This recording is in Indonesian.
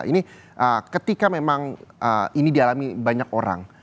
ini ketika memang ini dialami banyak orang